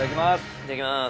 いただきます。